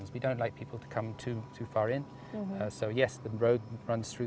kita tidak ingin orang datang terlalu jauh